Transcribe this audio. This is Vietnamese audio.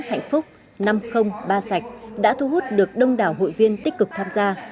hạnh phúc năm không ba sạch đã thu hút được đông đảo hội viên tích cực tham gia